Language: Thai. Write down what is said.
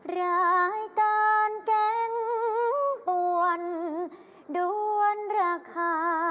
รายการแกงป่วนด้วนราคา